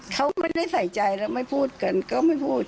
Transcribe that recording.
เขาไม่ได้ใส่ใจแล้วไม่พูดกันก็ไม่พูด